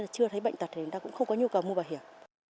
chưa thấy bệnh tật thì người ta cũng không có nhu cầu mua bảo hiểm